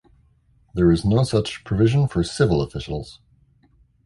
There is no such provision for civil officials.